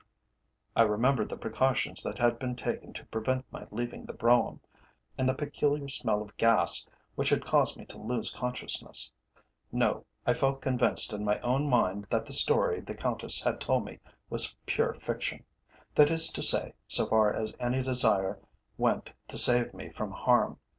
I remembered the precautions that had been taken to prevent my leaving the brougham, and the peculiar smell of gas which had caused me to lose consciousness. No; I felt convinced in my own mind that the story the Countess had told me was pure fiction that is to say, so far as any desire went to save me from harm.